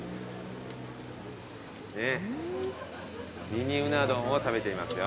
ミニうな丼を食べていますよ